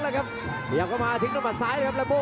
เดี๋ยวพาทิ้งให้ต่อมาซ้ายครับลับโบ